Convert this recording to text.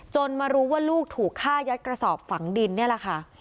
มารู้ว่าลูกถูกฆ่ายัดกระสอบฝังดินนี่แหละค่ะ